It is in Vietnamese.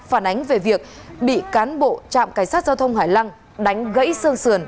phản ánh về việc bị cán bộ trạm cảnh sát giao thông hải lăng đánh gãy sơn sườn